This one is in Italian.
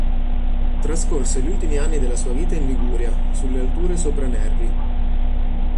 Trascorse gli ultimi anni della sua vita in Liguria, sulle alture sopra Nervi.